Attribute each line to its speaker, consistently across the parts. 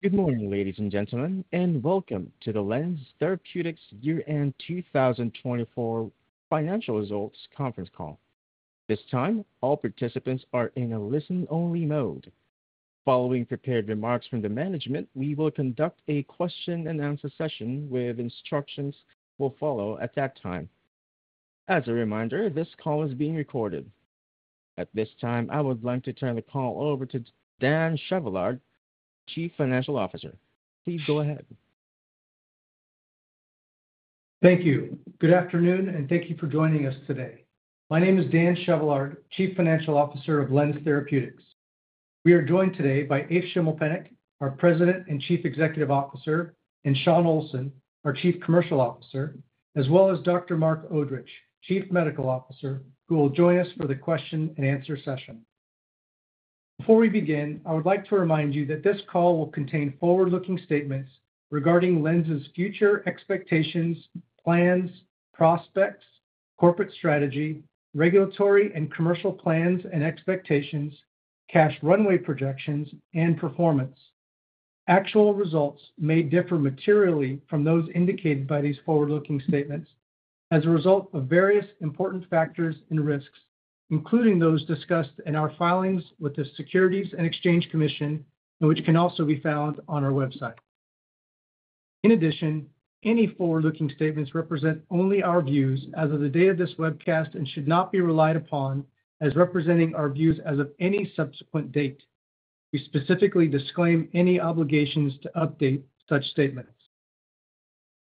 Speaker 1: Good morning, ladies and gentlemen, and welcome to the LENZ Therapeutics Year End 2024 Financial Results Conference Call. At this time, all participants are in a listen-only mode. Following prepared remarks from the management, we will conduct a question-and-answer session with instructions that will follow at that time. As a reminder, this call is being recorded. At this time, I would like to turn the call over to Dan Chevallard, Chief Financial Officer. Please go ahead.
Speaker 2: Thank you. Good afternoon, and thank you for joining us today. My name is Dan Chevallard, Chief Financial Officer of LENZ Therapeutics. We are joined today by Eef Schimmelpennink, our President and Chief Executive Officer, and Shawn Olsson, our Chief Commercial Officer, as well as Dr. Marc Odrich, Chief Medical Officer, who will join us for the question-and-answer session. Before we begin, I would like to remind you that this call will contain forward-looking statements regarding LENZ's future expectations, plans, prospects, corporate strategy, regulatory and commercial plans and expectations, cash runway projections, and performance. Actual results may differ materially from those indicated by these forward-looking statements as a result of various important factors and risks, including those discussed in our filings with the Securities and Exchange Commission, which can also be found on our website. In addition, any forward-looking statements represent only our views as of the date of this webcast and should not be relied upon as representing our views as of any subsequent date. We specifically disclaim any obligations to update such statements.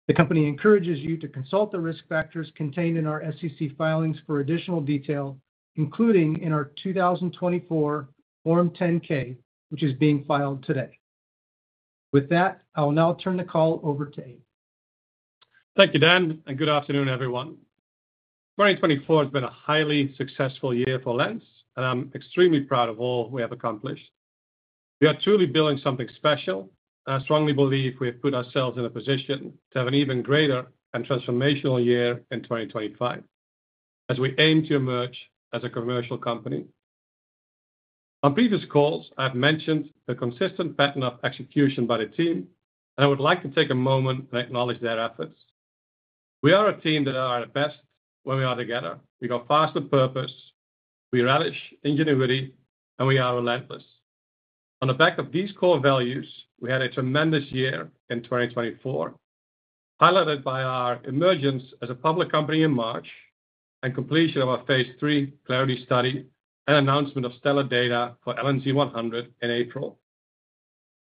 Speaker 2: The company encourages you to consult the risk factors contained in our SEC filings for additional detail, including in our 2024 Form 10-K, which is being filed today. With that, I will now turn the call over to Eef.
Speaker 3: Thank you, Dan, and good afternoon, everyone. 2024 has been a highly successful year for LENZ, and I'm extremely proud of all we have accomplished. We are truly building something special, and I strongly believe we have put ourselves in a position to have an even greater and transformational year in 2025 as we aim to emerge as a commercial company. On previous calls, I have mentioned the consistent pattern of execution by the team, and I would like to take a moment and acknowledge their efforts. We are a team that is at our best when we are together. We go fast with purpose, we relish ingenuity, and we are relentless. On the back of these core values, we had a tremendous year in 2024, highlighted by our emergence as a public company in March and completion of our Phase 3 CLARITY study and announcement of stellar data for LNZ100 in April.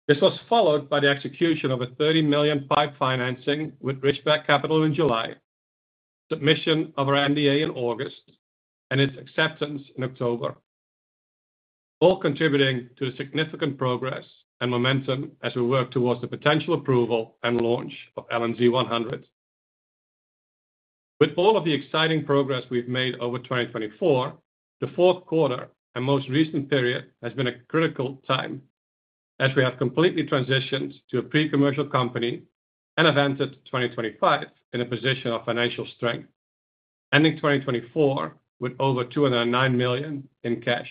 Speaker 3: This was followed by the execution of a $30 million pipe financing with Richback Capital in July, submission of our NDA in August, and its acceptance in October, all contributing to significant progress and momentum as we work towards the potential approval and launch of LNZ100. With all of the exciting progress we've made over 2024, the fourth quarter and most recent period has been a critical time as we have completely transitioned to a pre-commercial company and advanced to 2025 in a position of financial strength, ending 2024 with over $209 million in cash.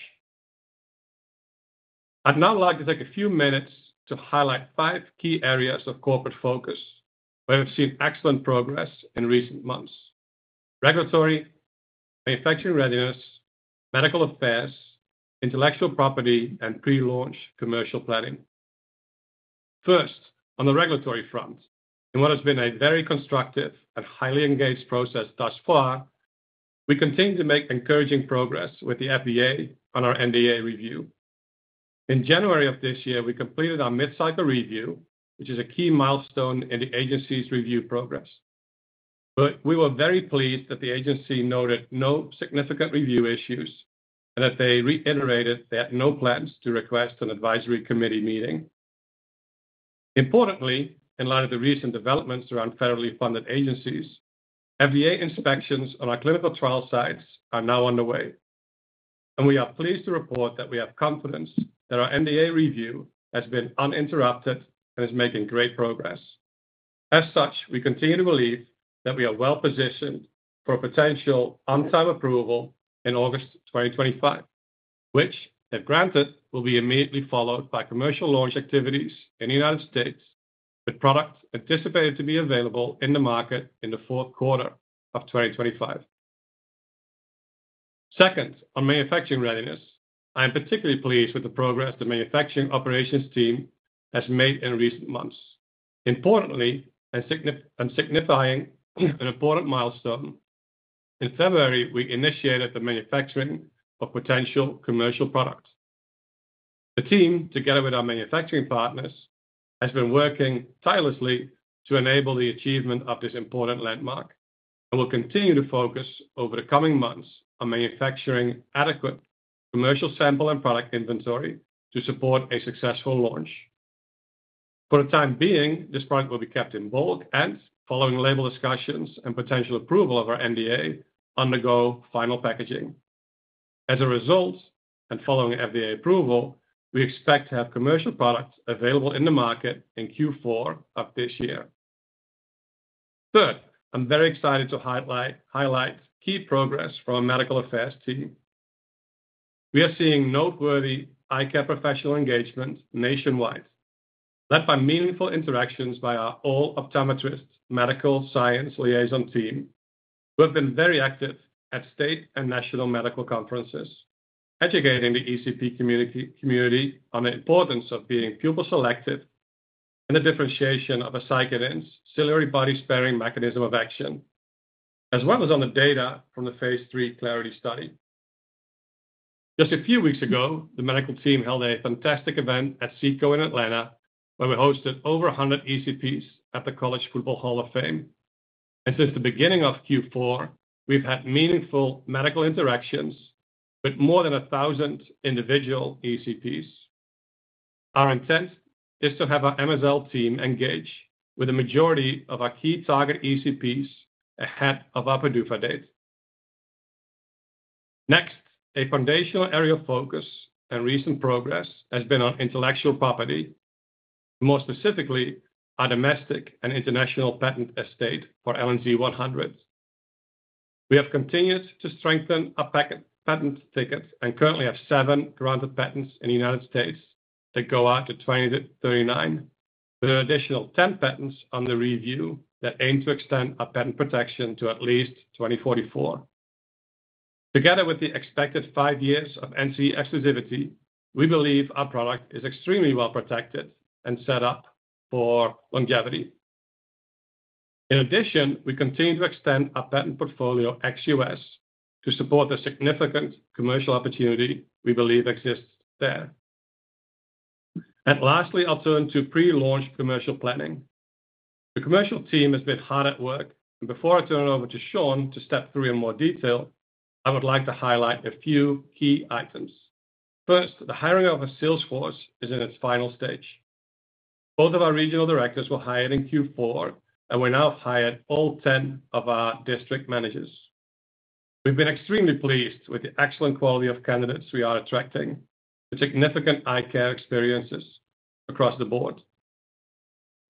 Speaker 3: I'd now like to take a few minutes to highlight five key areas of corporate focus where we've seen excellent progress in recent months: regulatory, manufacturing readiness, medical affairs, intellectual property, and pre-launch commercial planning. First, on the regulatory front, in what has been a very constructive and highly engaged process thus far, we continue to make encouraging progress with the FDA on our NDA review. In January of this year, we completed our mid-cycle review, which is a key milestone in the agency's review process. We were very pleased that the agency noted no significant review issues and that they reiterated they had no plans to request an advisory committee meeting. Importantly, in light of the recent developments around federally funded agencies, FDA inspections on our clinical trial sites are now underway, and we are pleased to report that we have confidence that our NDA review has been uninterrupted and is making great progress. As such, we continue to believe that we are well positioned for a potential on-time approval in August 2025, which, if granted, will be immediately followed by commercial launch activities in the United States, with product anticipated to be available in the market in the fourth quarter of 2025. Second, on manufacturing readiness, I am particularly pleased with the progress the manufacturing operations team has made in recent months. Importantly, and signifying an important milestone, in February, we initiated the manufacturing of potential commercial products. The team, together with our manufacturing partners, has been working tirelessly to enable the achievement of this important landmark and will continue to focus over the coming months on manufacturing adequate commercial sample and product inventory to support a successful launch. For the time being, this product will be kept in bulk and, following label discussions and potential approval of our NDA, undergo final packaging. As a result, and following FDA approval, we expect to have commercial products available in the market in Q4 of this year. Third, I'm very excited to highlight key progress from our medical affairs team. We are seeing noteworthy eye care professional engagement nationwide, led by meaningful interactions by our all optometrists Medical Science Liaison team, who have been very active at state and national medical conferences, educating the ECP community on the importance of being pupil-selective and the differentiation of a ciliary body-sparing mechanism of action, as well as on the data from the Phase 3 CLARITY study. Just a few weeks ago, the medical team held a fantastic event at CICO in Atlanta, where we hosted over 100 ECPs at the College Football Hall of Fame. Since the beginning of Q4, we've had meaningful medical interactions with more than 1,000 individual ECPs. Our intent is to have our MSL team engage with the majority of our key target ECPs ahead of our PDUFA date. Next, a foundational area of focus and recent progress has been on intellectual property, more specifically our domestic and international patent estate for LNZ100. We have continued to strengthen our patent tickets and currently have seven granted patents in the United States that go out to 2039, with an additional 10 patents on the review that aim to extend our patent protection to at least 2044. Together with the expected five years of NCE exclusivity, we believe our product is extremely well protected and set up for longevity. In addition, we continue to extend our patent portfolio ex U.S. to support the significant commercial opportunity we believe exists there. Lastly, I'll turn to pre-launch commercial planning. The commercial team has been hard at work, and before I turn it over to Shawn to step through in more detail, I would like to highlight a few key items. First, the hiring of our sales force is in its final stage. Both of our regional directors were hired in Q4, and we now have hired all 10 of our district managers. We've been extremely pleased with the excellent quality of candidates we are attracting with significant eye-care experiences across the board.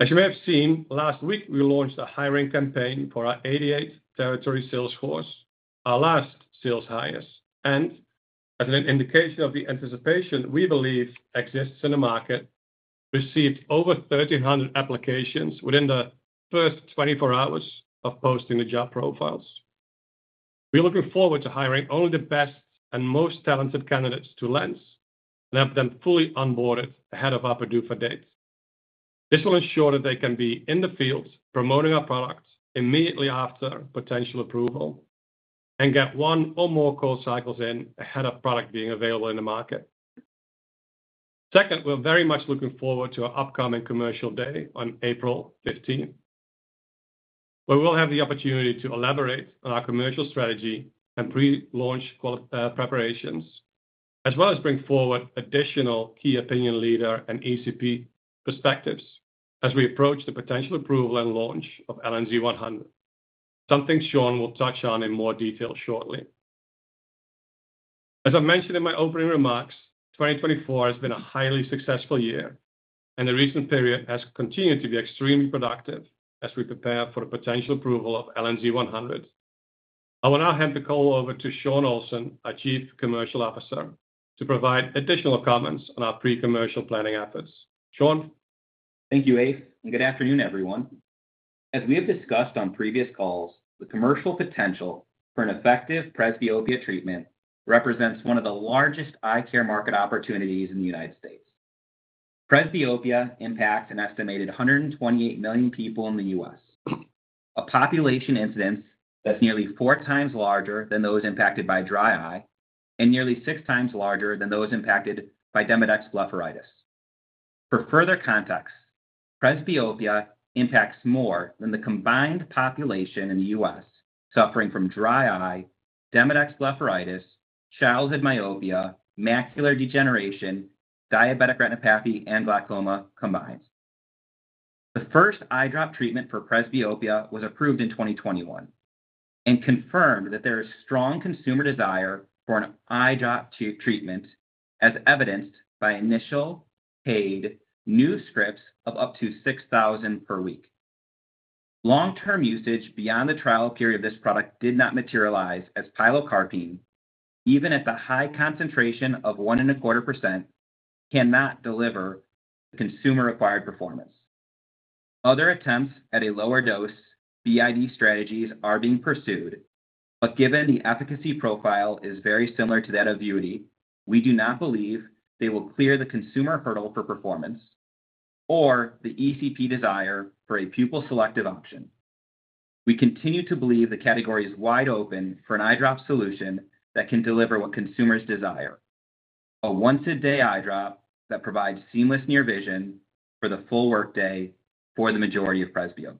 Speaker 3: As you may have seen, last week we launched a hiring campaign for our 88 territory sales force, our last sales hires, and as an indication of the anticipation we believe exists in the market, we received over 1,300 applications within the first 24 hours of posting the job profiles. We are looking forward to hiring only the best and most talented candidates to LENZ and have them fully onboarded ahead of our PDUFA date. This will ensure that they can be in the field promoting our product immediately after potential approval and get one or more call cycles in ahead of product being available in the market. Second, we're very much looking forward to our upcoming commercial day on April 15, where we'll have the opportunity to elaborate on our commercial strategy and pre-launch preparations, as well as bring forward additional key opinion leader and ECP perspectives as we approach the potential approval and launch of LNZ100, something Shawn will touch on in more detail shortly. As I mentioned in my opening remarks, 2024 has been a highly successful year, and the recent period has continued to be extremely productive as we prepare for the potential approval of LNZ100. I will now hand the call over to Shawn Olsson, our Chief Commercial Officer, to provide additional comments on our pre-commercial planning efforts. Shawn.
Speaker 4: Thank you, Eef, and good afternoon, everyone. As we have discussed on previous calls, the commercial potential for an effective presbyopia treatment represents one of the largest eye care market opportunities in the United States. Presbyopia impacts an estimated 128 million people in the US, a population incidence that's nearly four times larger than those impacted by dry eye and nearly six times larger than those impacted by Demodex blepharitis. For further context, presbyopia impacts more than the combined population in the US suffering from dry eye, Demodex blepharitis, childhood myopia, macular degeneration, diabetic retinopathy, and glaucoma combined. The first eye drop treatment for presbyopia was approved in 2021 and confirmed that there is strong consumer desire for an eye drop treatment, as evidenced by initial paid new scripts of up to 6,000 per week. Long-term usage beyond the trial period of this product did not materialize, as pilocarpine, even at the high concentration of 1.25%, cannot deliver the consumer-required performance. Other attempts at a lower dose BID strategies are being pursued, but given the efficacy profile is very similar to that of Vuity, we do not believe they will clear the consumer hurdle for performance or the ECP desire for a pupil-selective option. We continue to believe the category is wide open for an eye drop solution that can deliver what consumers desire: a once-a-day eye drop that provides seamless near vision for the full workday for the majority of presbyopes.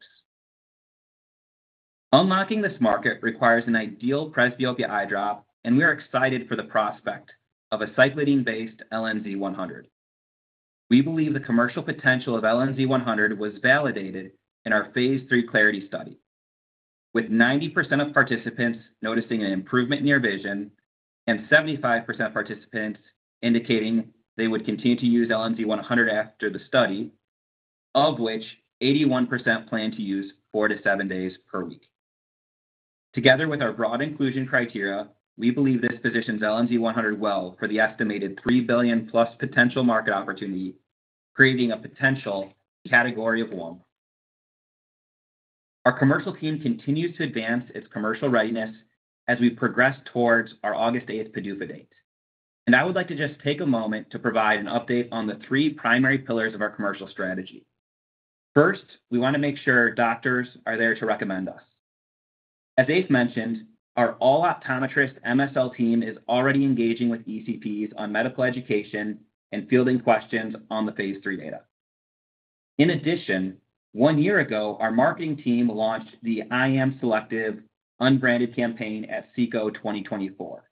Speaker 4: Unlocking this market requires an ideal presbyopia eye drop, and we are excited for the prospect of an aceclidine-based LNZ100. We believe the commercial potential of LNZ100 was validated in our Phase 3 CLARITY study, with 90% of participants noticing an improvement in near vision and 75% of participants indicating they would continue to use LNZ100 after the study, of which 81% plan to use four to seven days per week. Together with our broad inclusion criteria, we believe this positions LNZ100 well for the estimated 3 billion-plus potential market opportunity, creating a potential category of one. Our commercial team continues to advance its commercial readiness as we progress towards our August 8th PDUFA date. I would like to just take a moment to provide an update on the three primary pillars of our commercial strategy. First, we want to make sure doctors are there to recommend us. As Abe mentioned, our all optometrists MSL team is already engaging with ECPs on medical education and fielding questions on the Phase 3 data. In addition, one year ago, our marketing team launched the I Am Selective unbranded campaign at CICO 2024.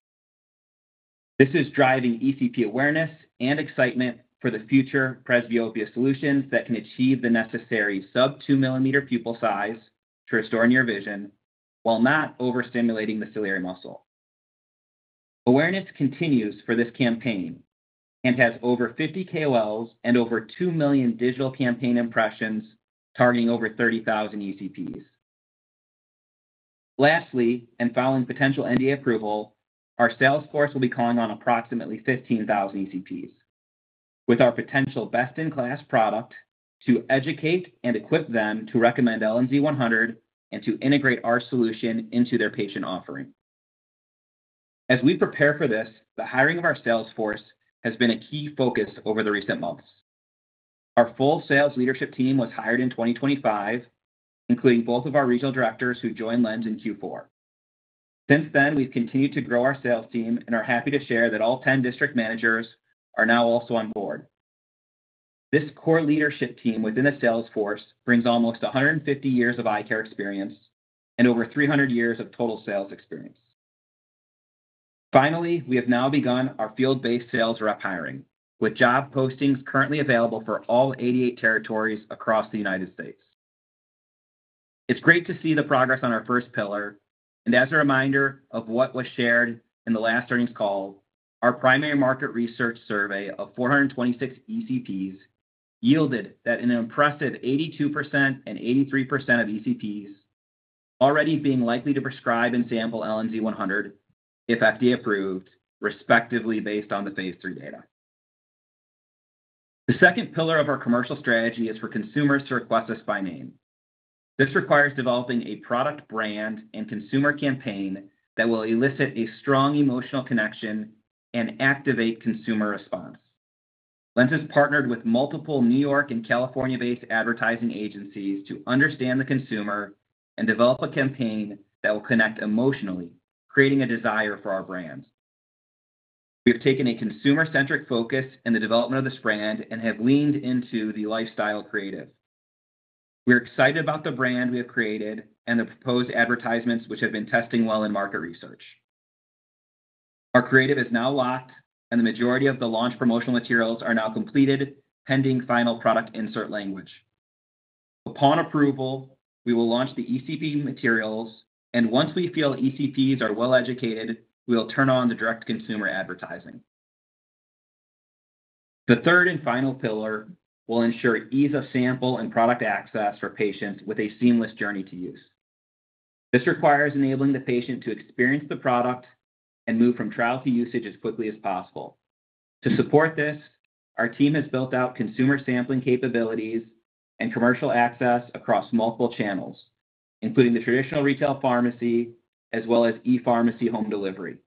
Speaker 4: This is driving ECP awareness and excitement for the future presbyopia solutions that can achieve the necessary sub-2 pupil size to restore near vision while not overstimulating the ciliary muscle. Awareness continues for this campaign and has over 50 KOLs and over 2 million digital campaign impressions targeting over 30,000 ECPs. Lastly, and following potential NDA approval, our sales force will be calling on approximately 15,000 ECPs with our potential best-in-class product to educate and equip them to recommend LNZ100 and to integrate our solution into their patient offering. As we prepare for this, the hiring of our sales force has been a key focus over the recent months. Our full sales leadership team was hired in 2024, including both of our regional directors who joined LENZ in Q4. Since then, we've continued to grow our sales team and are happy to share that all 10 district managers are now also on board. This core leadership team within the sales force brings almost 150 years of eye care experience and over 300 years of total sales experience. Finally, we have now begun our field-based sales rep hiring, with job postings currently available for all 88 territories across the United States. It's great to see the progress on our first pillar, and as a reminder of what was shared in the last earnings call, our primary market research survey of 426 ECPs yielded that an impressive 82% and 83% of ECPs are already being likely to prescribe and sample LNZ100 if FDA approved, respectively based on the Phase 3 data. The second pillar of our commercial strategy is for consumers to request us by name. This requires developing a product brand and consumer campaign that will elicit a strong emotional connection and activate consumer response. LENZ has partnered with multiple New York and California-based advertising agencies to understand the consumer and develop a campaign that will connect emotionally, creating a desire for our brand. We have taken a consumer-centric focus in the development of this brand and have leaned into the lifestyle creative. We are excited about the brand we have created and the proposed advertisements, which have been testing well in market research. Our creative is now locked, and the majority of the launch promotional materials are now completed, pending final product insert language. Upon approval, we will launch the ECP materials, and once we feel ECPs are well educated, we will turn on the direct consumer advertising. The third and final pillar will ensure ease of sample and product access for patients with a seamless journey to use. This requires enabling the patient to experience the product and move from trial to usage as quickly as possible. To support this, our team has built out consumer sampling capabilities and commercial access across multiple channels, including the traditional retail pharmacy as well as e-pharmacy home delivery.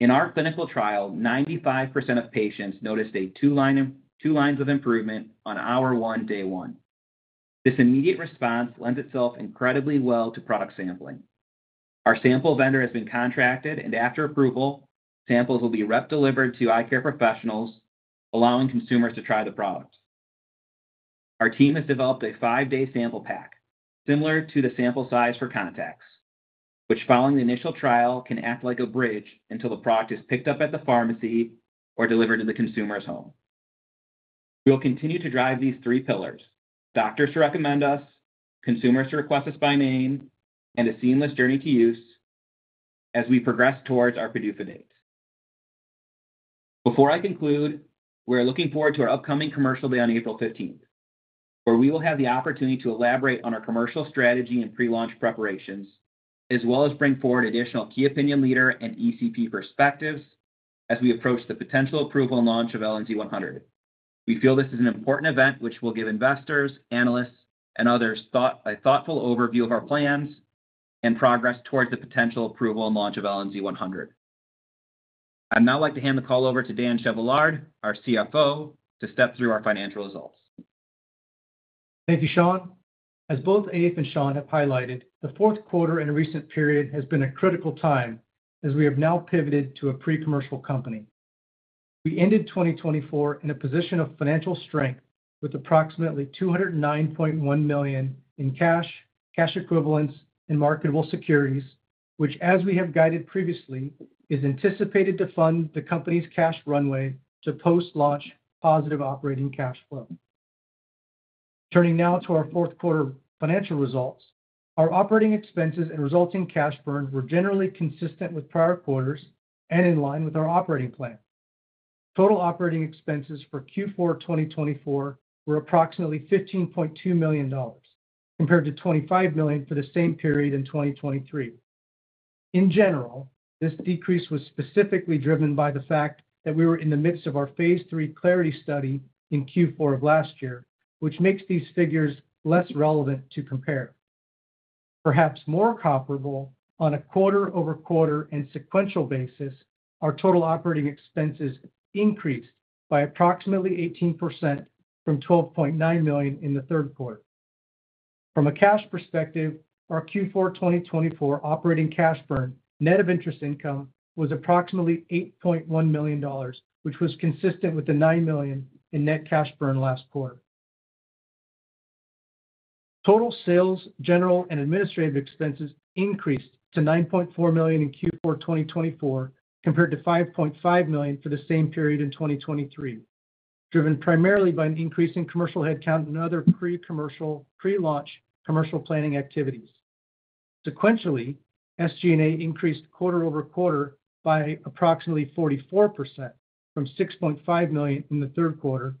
Speaker 4: In our clinical trial, 95% of patients noticed two lines of improvement on hour one, day one. This immediate response lends itself incredibly well to product sampling. Our sample vendor has been contracted, and after approval, samples will be rep-delivered to eye care professionals, allowing consumers to try the product. Our team has developed a five-day sample pack, similar to the sample size for contacts, which, following the initial trial, can act like a bridge until the product is picked up at the pharmacy or delivered to the consumer's home. We'll continue to drive these three pillars: doctors to recommend us, consumers to request us by name, and a seamless journey to use as we progress towards our PDUFA date. Before I conclude, we are looking forward to our upcoming commercial day on April 15, where we will have the opportunity to elaborate on our commercial strategy and pre-launch preparations, as well as bring forward additional key opinion leader and ECP perspectives as we approach the potential approval and launch of LNZ100. We feel this is an important event, which will give investors, analysts, and others a thoughtful overview of our plans and progress towards the potential approval and launch of LNZ100. I'd now like to hand the call over to Dan Chevallard, our CFO, to step through our financial results.
Speaker 2: Thank you, Shawn. As both Abe and Shawn have highlighted, the fourth quarter in a recent period has been a critical time as we have now pivoted to a pre-commercial company. We ended 2024 in a position of financial strength with approximately $209.1 million in cash, cash equivalents, and marketable securities, which, as we have guided previously, is anticipated to fund the company's cash runway to post-launch positive operating cash flow. Turning now to our fourth quarter financial results, our operating expenses and resulting cash burn were generally consistent with prior quarters and in line with our operating plan. Total operating expenses for Q4 2024 were approximately $15.2 million, compared to $25 million for the same period in 2023. In general, this decrease was specifically driven by the fact that we were in the midst of our phase 3 CLARITY study in Q4 of last year, which makes these figures less relevant to compare. Perhaps more comparable, on a quarter-over-quarter and sequential basis, our total operating expenses increased by approximately 18% from $12.9 million in the third quarter. From a cash perspective, our Q4 2024 operating cash burn net of interest income was approximately $8.1 million, which was consistent with the $9 million in net cash burn last quarter. Total sales, general, and administrative expenses increased to $9.4 million in Q4 2024, compared to $5.5 million for the same period in 2023, driven primarily by an increase in commercial headcount and other pre-commercial, pre-launch commercial planning activities. Sequentially, SG&A increased quarter over quarter by approximately 44% from $6.5 million in the third quarter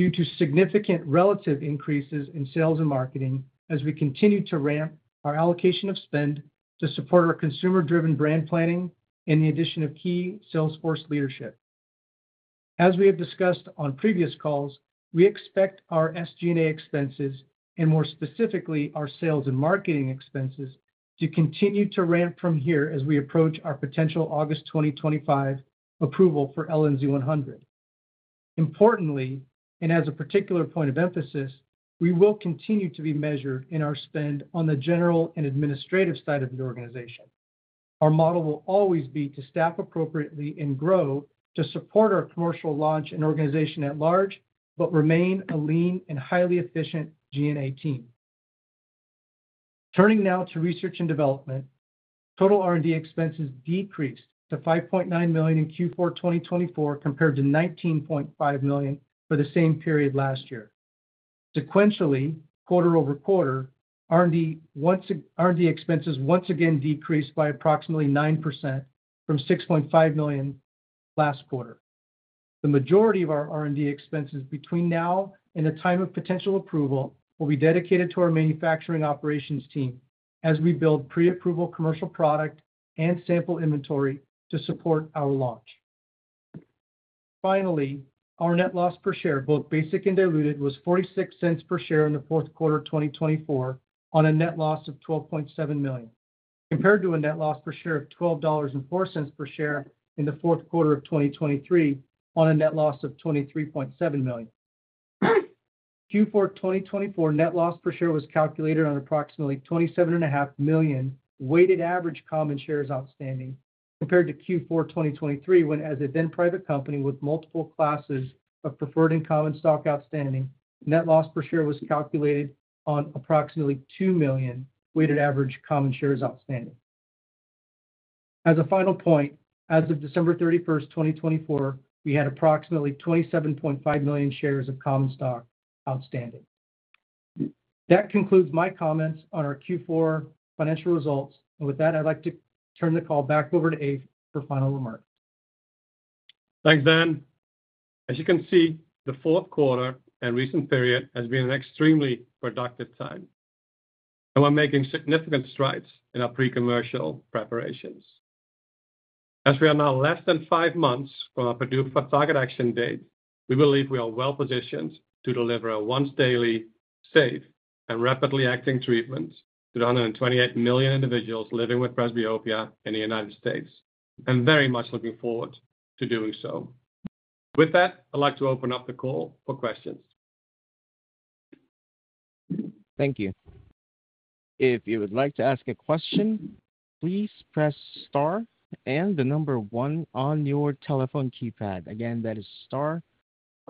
Speaker 2: due to significant relative increases in sales and marketing as we continue to ramp our allocation of spend to support our consumer-driven brand planning and the addition of key sales force leadership. As we have discussed on previous calls, we expect our SG&A expenses, and more specifically our sales and marketing expenses, to continue to ramp from here as we approach our potential August 2025 approval for LNZ100. Importantly, as a particular point of emphasis, we will continue to be measured in our spend on the general and administrative side of the organization. Our model will always be to staff appropriately and grow to support our commercial launch and organization at large, but remain a lean and highly efficient G&A team. Turning now to research and development, total R&D expenses decreased to $5.9 million in Q4 2024, compared to $19.5 million for the same period last year. Sequentially, quarter over quarter, R&D expenses once again decreased by approximately 9% from $6.5 million last quarter. The majority of our R&D expenses between now and the time of potential approval will be dedicated to our manufacturing operations team as we build pre-approval commercial product and sample inventory to support our launch. Finally, our net loss per share, both basic and diluted, was $0.46 per share in the fourth quarter of 2024 on a net loss of $12.7 million, compared to a net loss per share of $12.04 per share in the fourth quarter of 2023 on a net loss of $23.7 million. Q4 2024 net loss per share was calculated on approximately $27.5 million weighted average common shares outstanding, compared to Q4 2023 when, as a then-private company with multiple classes of preferred and common stock outstanding, net loss per share was calculated on approximately 2 million weighted average common shares outstanding. As a final point, as of December 31, 2024, we had approximately 27.5 million shares of common stock outstanding. That concludes my comments on our Q4 financial results. With that, I'd like to turn the call back over to Eef for final remarks.
Speaker 3: Thanks, Dan. As you can see, the fourth quarter and recent period has been an extremely productive time. We are making significant strides in our pre-commercial preparations. As we are now less than five months from our PDUFA target action date, we believe we are well positioned to deliver a once-daily, safe, and rapidly acting treatment to the 128 million individuals living with presbyopia in the United States. I am very much looking forward to doing so. With that, I'd like to open up the call for questions.
Speaker 1: Thank you. If you would like to ask a question, please press star and the number one on your telephone keypad. Again, that is star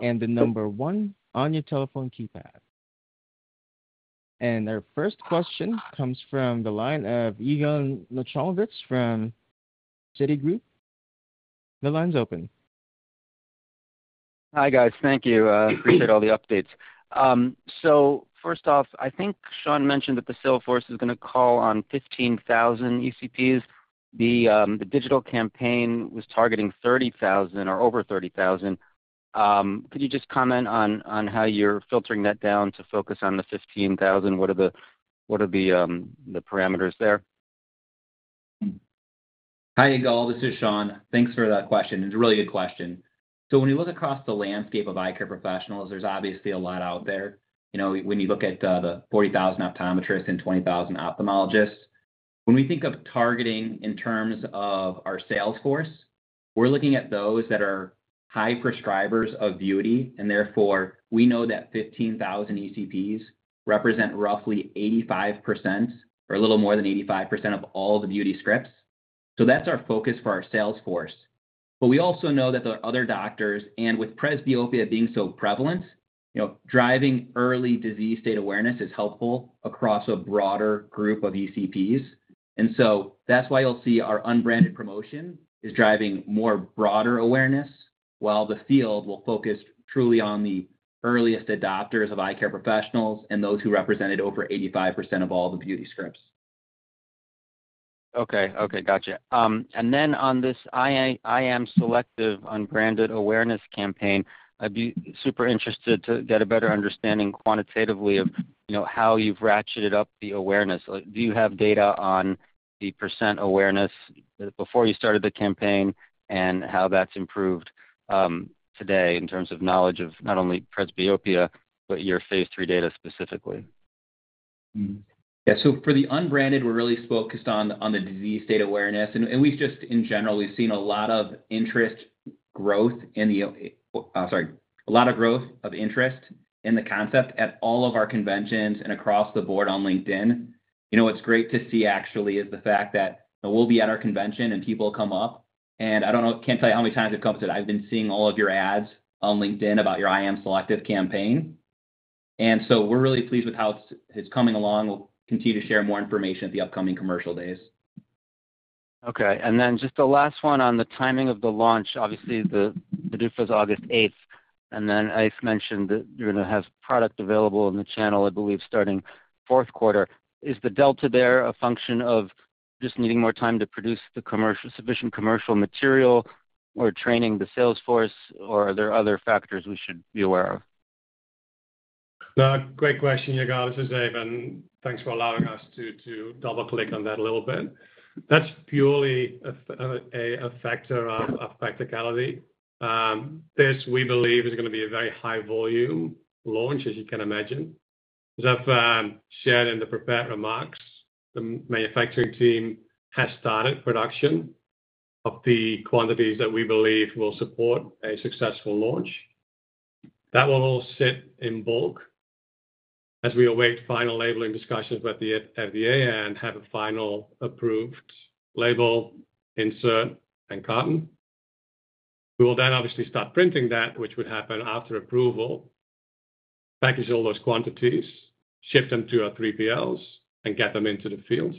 Speaker 1: and the number one on your telephone keypad. Our first question comes from the line of Yigal Nochomovits from Citigroup. The line's open.
Speaker 5: Hi, guys. Thank you. I appreciate all the updates. First off, I think Shawn mentioned that the sales force is going to call on 15,000 ECPs. The digital campaign was targeting 30,000 or over 30,000. Could you just comment on how you're filtering that down to focus on the 15,000? What are the parameters there?
Speaker 4: Hi, Yigal. This is Shawn. Thanks for that question. It's a really good question. When you look across the landscape of eye care professionals, there's obviously a lot out there. When you look at the 40,000 optometrists and 20,000 ophthalmologists, when we think of targeting in terms of our sales force, we're looking at those that are high prescribers of Vuity. Therefore, we know that 15,000 ECPs represent roughly 85% or a little more than 85% of all the Vuity scripts. That's our focus for our sales force. We also know that there are other doctors. With presbyopia being so prevalent, driving early disease state awareness is helpful across a broader group of ECPs. That is why you'll see our unbranded promotion is driving more broader awareness, while the field will focus truly on the earliest adopters of eye care professionals and those who represented over 85% of all the Vuity scripts.
Speaker 5: Okay. Gotcha. On this I Am Selective Unbranded Awareness campaign, I'd be super interested to get a better understanding quantitatively of how you've ratcheted up the awareness. Do you have data on the % awareness before you started the campaign and how that's improved today in terms of knowledge of not only presbyopia, but your Phase 3 data specifically?
Speaker 4: Yeah. For the unbranded, we're really focused on the disease state awareness. We've just, in general, seen a lot of interest growth in the—a lot of growth of interest in the concept at all of our conventions and across the board on LinkedIn. You know what's great to see, actually, is the fact that we'll be at our convention and people come up. I don't know, can't tell you how many times we've come up to it. I've been seeing all of your ads on LinkedIn about your I Am Selective campaign. We're really pleased with how it's coming along. We'll continue to share more information at the upcoming commercial days.
Speaker 5: Okay. And then just the last one on the timing of the launch. Obviously, the PDUFA is August 8. I mentioned that you're going to have product available in the channel, I believe, starting fourth quarter. Is the delta there a function of just needing more time to produce the sufficient commercial material or training the sales force, or are there other factors we should be aware of?
Speaker 3: Great question, regardless of Yigal. Thanks for allowing us to double-click on that a little bit. That's purely a factor of practicality. This, we believe, is going to be a very high-volume launch, as you can imagine. As I've shared in the prepared remarks, the manufacturing team has started production of the quantities that we believe will support a successful launch. That will all sit in bulk as we await final labeling discussions with the FDA and have a final approved label, insert, and carton. We will then obviously start printing that, which would happen after approval, package all those quantities, shift them to our 3PLs, and get them into the field.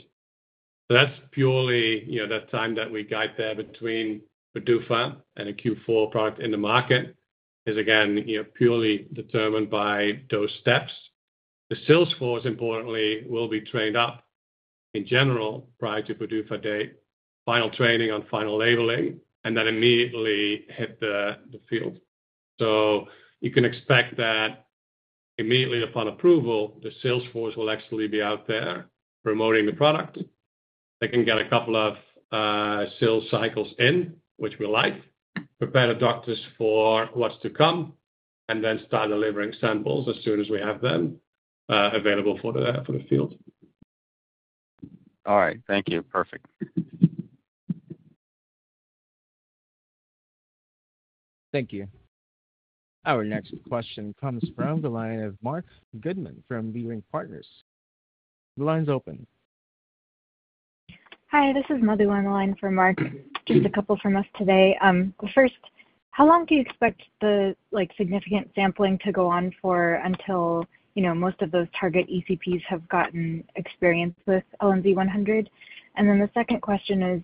Speaker 3: That's purely the time that we guide there between PDUFA and a Q4 product in the market is, again, purely determined by those steps. The sales force, importantly, will be trained up in general prior to PDUFA date, final training on final labeling, and then immediately hit the field. You can expect that immediately upon approval, the sales force will actually be out there promoting the product. They can get a couple of sales cycles in, which we like, prepare the doctors for what's to come, and then start delivering samples as soon as we have them available for the field.
Speaker 5: All right. Thank you. Perfect.
Speaker 1: Thank you. Our next question comes from the line of Marc Goodman from Leerink Partners. The line's open.
Speaker 6: Hi. This is Madhu on the line for Marc. Just a couple from us today. First, how long do you expect the significant sampling to go on for until most of those target ECPs have gotten experience with LNZ100? The second question is,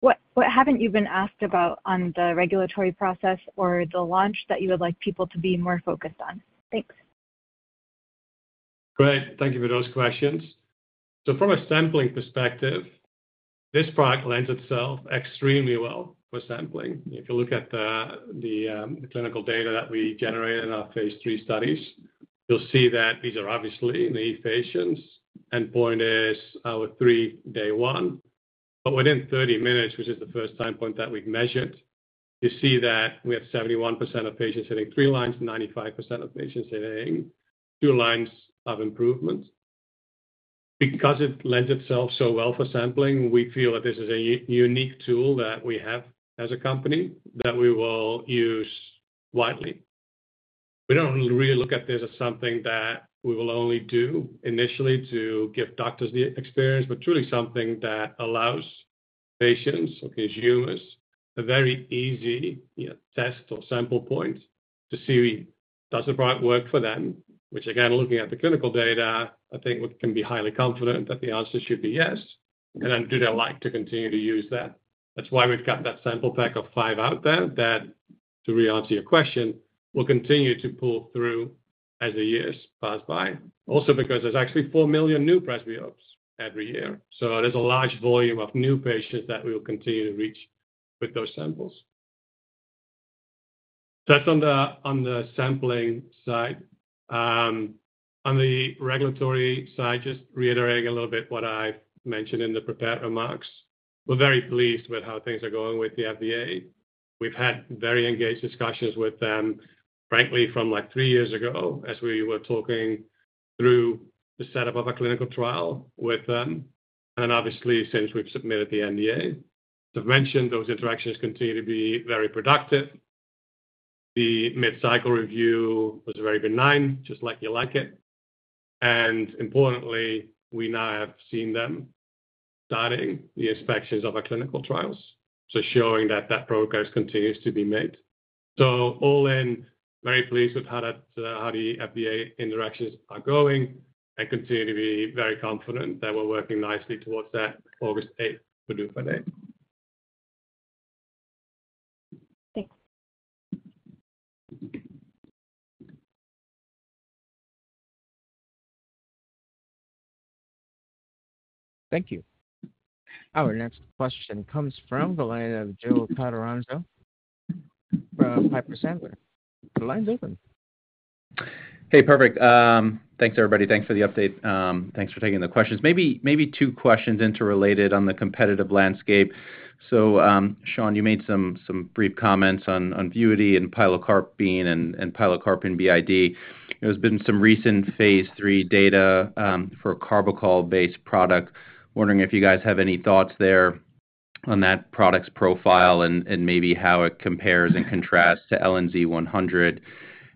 Speaker 6: what haven't you been asked about on the regulatory process or the launch that you would like people to be more focused on? Thanks.
Speaker 3: Great. Thank you for those questions. From a sampling perspective, this product lends itself extremely well for sampling. If you look at the clinical data that we generated in our Phase 3 studies, you'll see that these are obviously naive patients. Endpoint is our three-day one. Within 30 minutes, which is the first time point that we've measured, you see that we have 71% of patients hitting three lines, 95% of patients hitting two lines of improvement. Because it lends itself so well for sampling, we feel that this is a unique tool that we have as a company that we will use widely. We do not really look at this as something that we will only do initially to give doctors the experience, but truly something that allows patients or consumers a very easy test or sample point to see if it does the product work for them, which, again, looking at the clinical data, I think we can be highly confident that the answer should be yes. Then do they like to continue to use that? That is why we have got that sample pack of five out there that, to re-answer your question, will continue to pull through as the years pass by. Also because there are actually 4 million new presbyopes every year. There is a large volume of new patients that we will continue to reach with those samples. That is on the sampling side. On the regulatory side, just reiterating a little bit what I have mentioned in the prepared remarks. We're very pleased with how things are going with the FDA. We've had very engaged discussions with them, frankly, from like three years ago as we were talking through the setup of a clinical trial with them. Obviously, since we've submitted the NDA, as I've mentioned, those interactions continue to be very productive. The mid-cycle review was very benign, just like you like it. Importantly, we now have seen them starting the inspections of our clinical trials, showing that that progress continues to be made. All in, very pleased with how the FDA interactions are going and continue to be very confident that we're working nicely towards that August 8 PDUFA date.
Speaker 6: Thanks.
Speaker 1: Thank you. Our next question comes from the line of Joe Catanzaro from Piper Sandler. The line's open.
Speaker 7: Hey, perfect. Thanks, everybody. Thanks for the update. Thanks for taking the questions. Maybe two questions interrelated on the competitive landscape. Shawn, you made some brief comments on Vuity and pilocarpine and pilocarpine BID. There's been some recent Phase 3 data for a carbachol-based product. Wondering if you guys have any thoughts there on that product's profile and maybe how it compares and contrasts to LNZ100.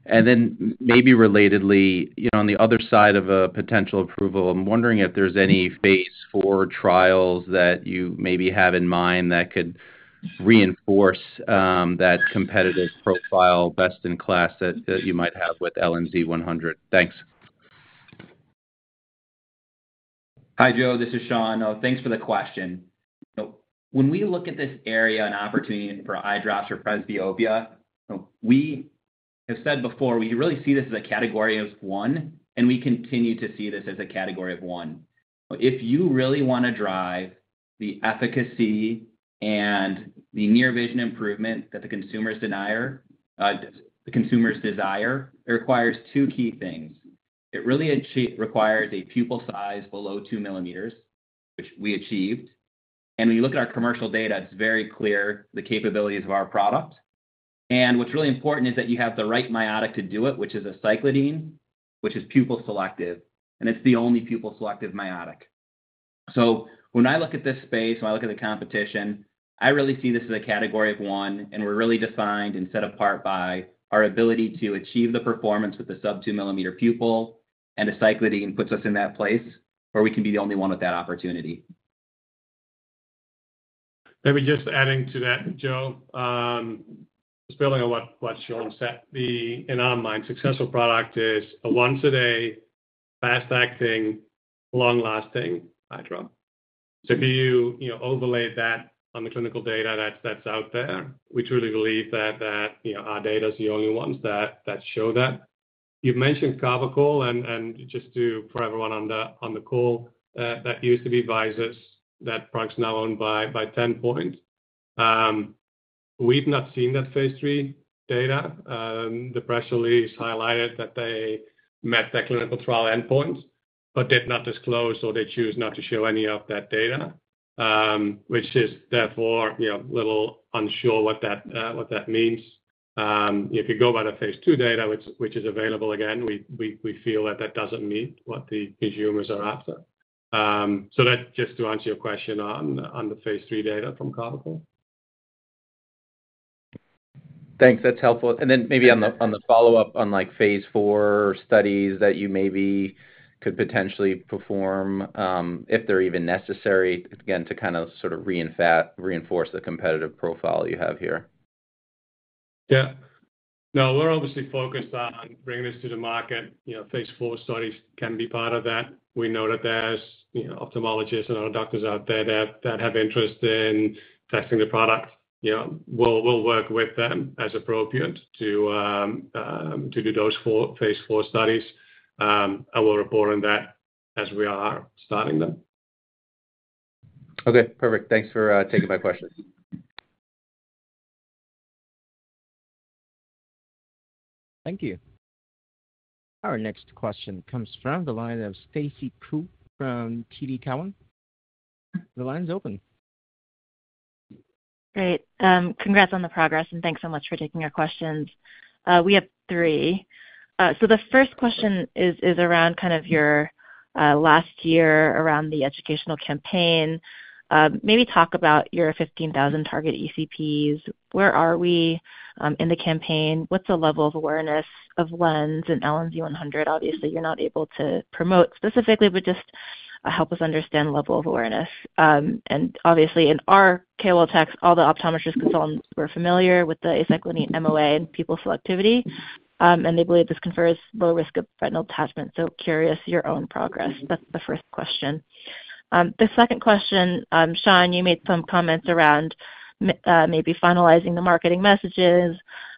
Speaker 7: Then maybe relatedly, on the other side of a potential approval, I'm wondering if there's any Phase 4 trials that you maybe have in mind that could reinforce that competitive profile, best in class that you might have with LNZ100. Thanks.
Speaker 4: Hi, Joe. This is Shawn. Thanks for the question. When we look at this area and opportunity for eye drops for presbyopia, we have said before we really see this as a category of one, and we continue to see this as a category of one. If you really want to drive the efficacy and the near vision improvement that the consumers desire, it requires two key things. It really requires a pupil size below 2 millimeters, which we achieved. When you look at our commercial data, it is very clear the capabilities of our product. What is really important is that you have the right miotic to do it, which is aceclidine, which is pupil selective. It is the only pupil-selective miotic. When I look at this space, when I look at the competition, I really see this as a category of one, and we're really defined and set apart by our ability to achieve the performance with the sub-2 mm pupil. And aceclidine puts us in that place where we can be the only one with that opportunity.
Speaker 3: Maybe just adding to that, Joe, just building on what Shawn said, in our mind, successful product is a once-a-day, fast-acting, long-lasting eye drop. If you overlay that on the clinical data that's out there, we truly believe that our data is the only ones that show that. You've mentioned Carbachol, and just for everyone on the call, that used to be Visus, that product's now owned by Tenpoint. We've not seen that Phase 3 data. The press release highlighted that they met that clinical trial endpoint, but did not disclose or they chose not to show any of that data, which is therefore a little unsure what that means. If you go by the Phase 2 data, which is available, again, we feel that that doesn't meet what the consumers are after. That just to answer your question on the Phase 3 data from Carbachol.
Speaker 7: Thanks. That's helpful. Maybe on the follow-up on Phase 4 studies that you maybe could potentially perform if they're even necessary, again, to kind of sort of reinforce the competitive profile you have here.
Speaker 3: Yeah. No, we're obviously focused on bringing this to the market. Phase 4 studies can be part of that. We know that there's ophthalmologists and other doctors out there that have interest in testing the product. We'll work with them as appropriate to do those Phase 4 studies. I will report on that as we are starting them.
Speaker 7: Okay. Perfect. Thanks for taking my questions.
Speaker 1: Thank you. Our next question comes from the line of Stacy Ku from TD Cowen. The line's open.
Speaker 8: Great. Congrats on the progress, and thanks so much for taking our questions. We have three. The first question is around kind of your last year around the educational campaign. Maybe talk about your 15,000 target ECPs. Where are we in the campaign? What's the level of awareness of LENZ and LNZ100? Obviously, you're not able to promote specifically, but just help us understand level of awareness. In our Kowal Tech, all the optometrist consultants were familiar with the aceclidine, MOA, and pupil selectivity. They believe this confers low risk of retinal detachment. Curious your own progress. That's the first question. The second question, Shawn, you made some comments around maybe finalizing the marketing messages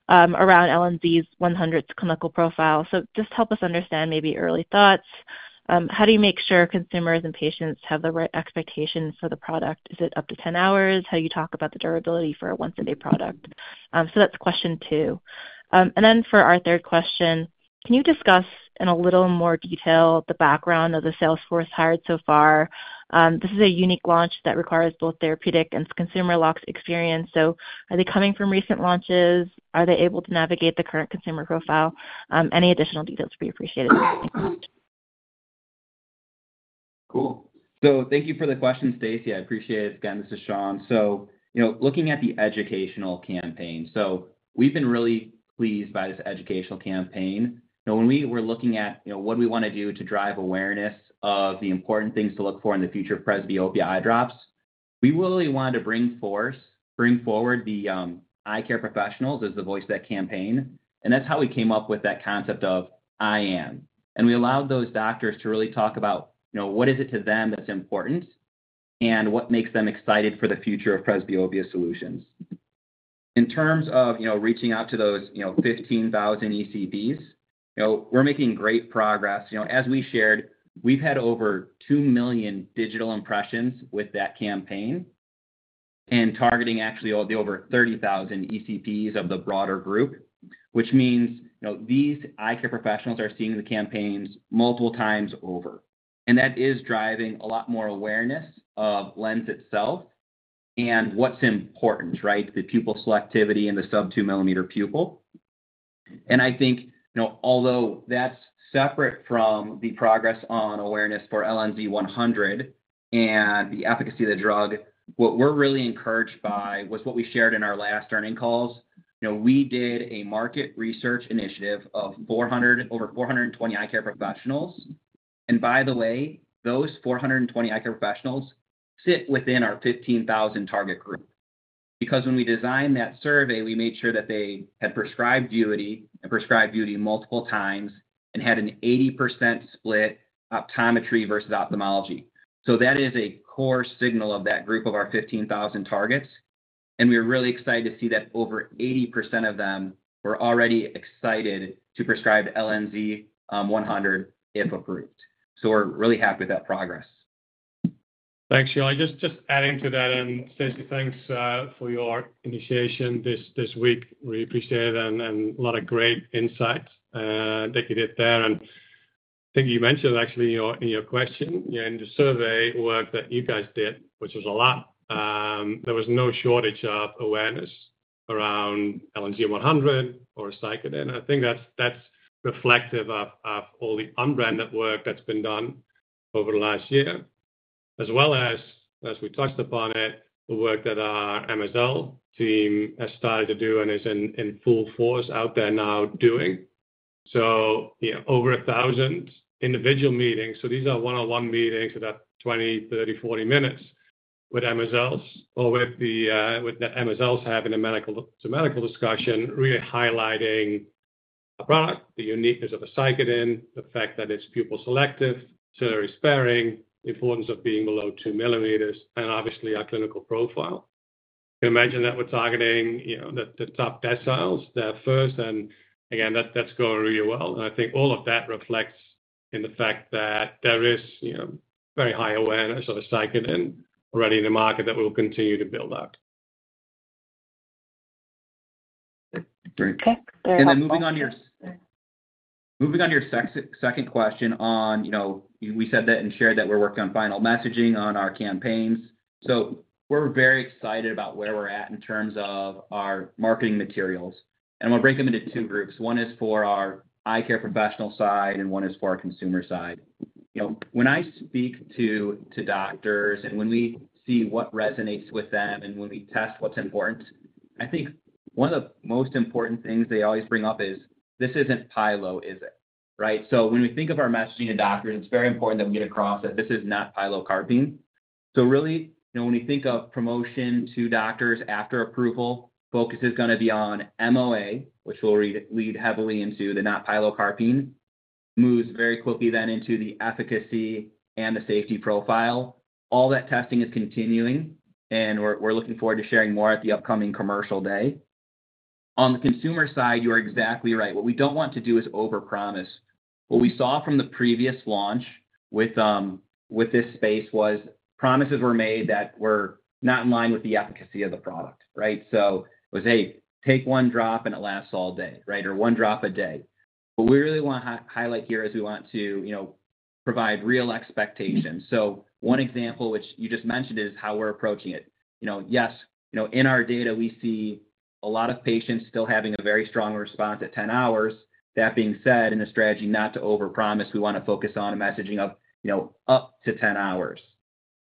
Speaker 8: around LNZ100's clinical profile. Just help us understand maybe early thoughts. How do you make sure consumers and patients have the right expectations for the product? Is it up to 10 hours? How do you talk about the durability for a once-a-day product? That is question two. For our third question, can you discuss in a little more detail the background of the sales force hired so far? This is a unique launch that requires both therapeutic and consumer locks experience. Are they coming from recent launches? Are they able to navigate the current consumer profile? Any additional details would be appreciated.
Speaker 4: Cool. Thank you for the question, Stacy. I appreciate it. Again, this is Shawn. Looking at the educational campaign, we've been really pleased by this educational campaign. When we were looking at what we want to do to drive awareness of the important things to look for in the future of presbyopia eye drops, we really wanted to bring forward the eye care professionals as the voice of that campaign. That is how we came up with that concept of IAM. We allowed those doctors to really talk about what is it to them that's important and what makes them excited for the future of presbyopia solutions. In terms of reaching out to those 15,000 ECPs, we're making great progress. As we shared, we've had over 2 million digital impressions with that campaign and targeting actually the over 30,000 ECPs of the broader group, which means these eye care professionals are seeing the campaigns multiple times over. That is driving a lot more awareness of LENZ itself and what's important, right, the pupil selectivity and the sub 2-millimeter pupil. I think although that's separate from the progress on awareness for LNZ100 and the efficacy of the drug, what we're really encouraged by was what we shared in our last earning calls. We did a market research initiative of over 420 eye care professionals. By the way, those 420 eye care professionals sit within our 15,000 target group. Because when we designed that survey, we made sure that they had prescribed Vuity and prescribed Vuity multiple times and had an 80% split optometry versus ophthalmology. That is a core signal of that group of our 15,000 targets. We are really excited to see that over 80% of them were already excited to prescribe LNZ100 if approved. We are really happy with that progress.
Speaker 3: Thanks, Shawn. Just adding to that, and Stacy, thanks for your initiation this week. We appreciate it and a lot of great insights that you did there. I think you mentioned actually in your question, in the survey work that you guys did, which was a lot, there was no shortage of awareness around LNZ100 or aceclidine. I think that's reflective of all the unbranded work that's been done over the last year, as well as, as we touched upon it, the work that our MSL team has started to do and is in full force out there now doing. Over 1,000 individual meetings. These are one-on-one meetings that are 20, 30, 40 minutes with MSLs or with the MSLs having a medical discussion, really highlighting a product, the uniqueness of aceclidine, the fact that it's pupil-selective, ciliary-sparing, the importance of being below 2 millimeters, and obviously our clinical profile. You can imagine that we're targeting the top deciles, the first. That is going really well. I think all of that reflects in the fact that there is very high awareness of aceclidine already in the market that we'll continue to build out.
Speaker 8: Okay, very helpfull.
Speaker 4: Moving on to your second question, we said that and shared that we're working on final messaging on our campaigns. We're very excited about where we're at in terms of our marketing materials. We'll break them into two groups. One is for our eye care professional side, and one is for our consumer side. When I speak to doctors and when we see what resonates with them and when we test what's important, I think one of the most important things they always bring up is, "This isn't Pilo, is it?" Right? When we think of our messaging to doctors, it's very important that we get across that this is not pilocarpine. Really, when we think of promotion to doctors after approval, focus is going to be on MOA, which will lead heavily into the not pilocarpine. Moves very quickly then into the efficacy and the safety profile. All that testing is continuing, and we're looking forward to sharing more at the upcoming commercial day. On the consumer side, you are exactly right. What we don't want to do is overpromise. What we saw from the previous launch with this space was promises were made that were not in line with the efficacy of the product, right? It was, "Hey, take one drop and it lasts all day," right? Or, "One drop a day." What we really want to highlight here is we want to provide real expectations. One example, which you just mentioned, is how we're approaching it. Yes, in our data, we see a lot of patients still having a very strong response at 10 hours. That being said, in the strategy not to overpromise, we want to focus on messaging of up to 10 hours.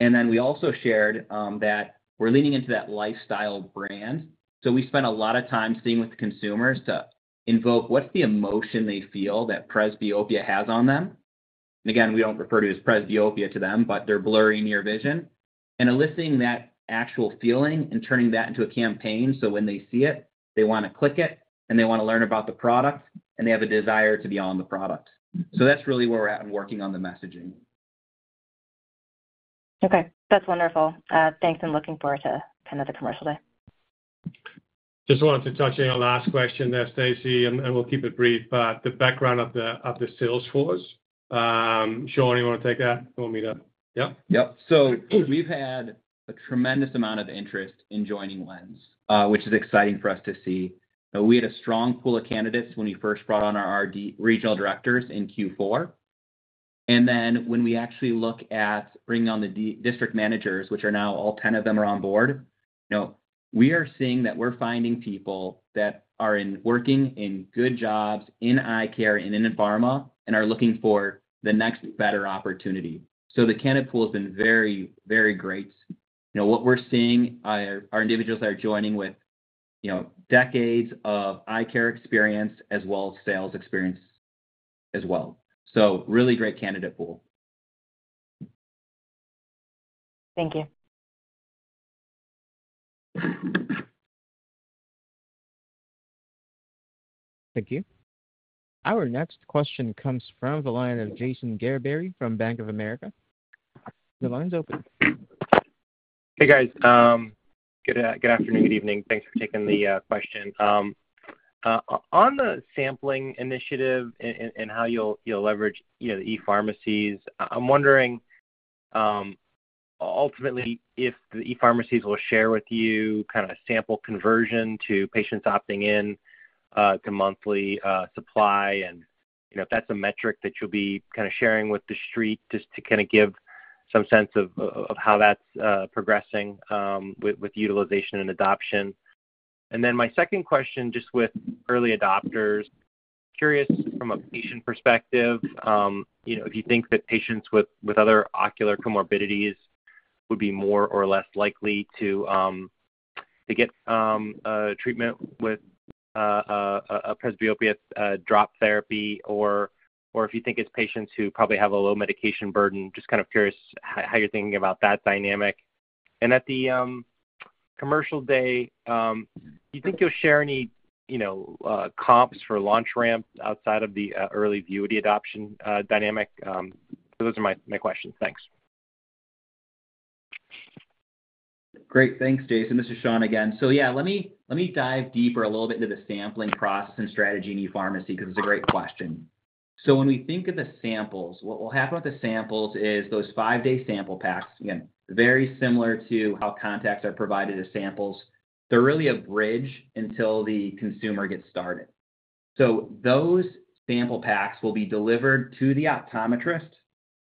Speaker 4: We also shared that we're leaning into that lifestyle brand. We spent a lot of time seeing with consumers to invoke what's the emotion they feel that presbyopia has on them. Again, we don't refer to it as presbyopia to them, but their blurry near vision. Eliciting that actual feeling and turning that into a campaign so when they see it, they want to click it, and they want to learn about the product, and they have a desire to be on the product. That's really where we're at in working on the messaging.
Speaker 8: Okay. That's wonderful. Thanks. I'm looking forward to kind of the commercial day.
Speaker 3: Just wanted to touch on your last question there, Stacy, and we'll keep it brief. The background of the sales force. Shawn, you want to take that? You want me to?
Speaker 4: Yep. We have had a tremendous amount of interest in joining LENZ, which is exciting for us to see. We had a strong pool of candidates when we first brought on our regional directors in Q4. When we actually look at bringing on the district managers, which are now all 10 of them are on board, we are seeing that we are finding people that are working in good jobs in eye care and in pharma and are looking for the next better opportunity. The candidate pool has been very, very great. What we are seeing, our individuals are joining with decades of eye care experience as well as sales experience as well. Really great candidate pool.
Speaker 8: Thank you.
Speaker 1: Thank you. Our next question comes from the line of Jason Gerberry from Bank of America. The line's open.
Speaker 9: Hey, guys. Good afternoon, good evening. Thanks for taking the question. On the sampling initiative and how you'll leverage the e-pharmacies, I'm wondering ultimately if the e-pharmacies will share with you kind of sample conversion to patients opting in to monthly supply. If that's a metric that you'll be kind of sharing with the street just to kind of give some sense of how that's progressing with utilization and adoption. My second question just with early adopters, curious from a patient perspective, if you think that patients with other ocular comorbidities would be more or less likely to get treatment with a presbyopia drop therapy or if you think it's patients who probably have a low medication burden, just kind of curious how you're thinking about that dynamic. At the commercial day, do you think you'll share any comps for launch ramp outside of the early Vuity adoption dynamic? Those are my questions. Thanks.
Speaker 4: Great. Thanks, Jason. This is Shawn again. Yeah, let me dive deeper a little bit into the sampling process and strategy in e-pharmacy because it's a great question. When we think of the samples, what will happen with the samples is those five-day sample packs, again, very similar to how contacts are provided as samples, they're really a bridge until the consumer gets started. Those sample packs will be delivered to the optometrist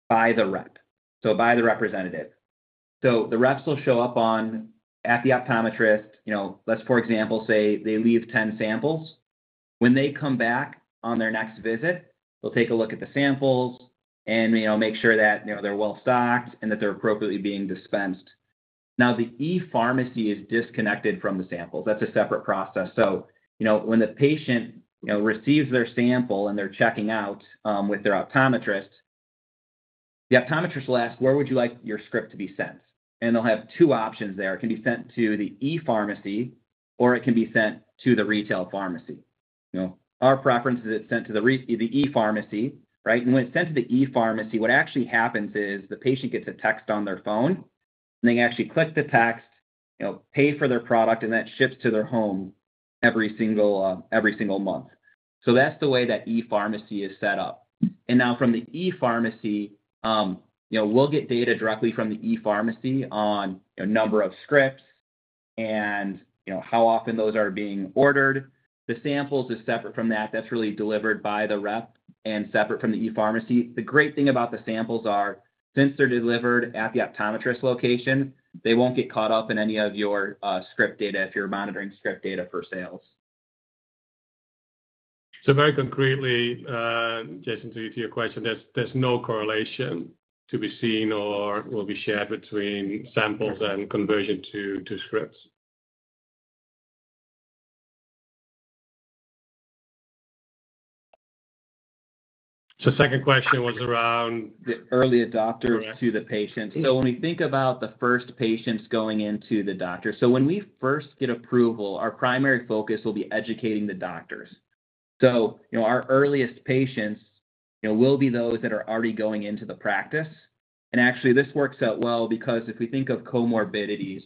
Speaker 4: by the rep, so by the representative. The reps will show up at the optometrist. Let's, for example, say they leave 10 samples. When they come back on their next visit, they'll take a look at the samples and make sure that they're well stocked and that they're appropriately being dispensed. The e-pharmacy is disconnected from the samples. That's a separate process. When the patient receives their sample and they're checking out with their optometrist, the optometrist will ask, "Where would you like your script to be sent?" They'll have two options there. It can be sent to the e-pharmacy, or it can be sent to the retail pharmacy. Our preference is it's sent to the e-pharmacy, right? When it's sent to the e-pharmacy, what actually happens is the patient gets a text on their phone, and they actually click the text, pay for their product, and that ships to their home every single month. That's the way that e-pharmacy is set up. Now from the e-pharmacy, we'll get data directly from the e-pharmacy on number of scripts and how often those are being ordered. The samples are separate from that. That's really delivered by the rep and separate from the e-pharmacy. The great thing about the samples is since they're delivered at the optometrist location, they won't get caught up in any of your script data if you're monitoring script data for sales.
Speaker 3: Very concretely, Jason, to your question, there's no correlation to be seen or will be shared between samples and conversion to scripts. The second question was around the early adopters to the patients.
Speaker 4: When we think about the first patients going into the doctor, when we first get approval, our primary focus will be educating the doctors. Our earliest patients will be those that are already going into the practice. Actually, this works out well because if we think of comorbidities,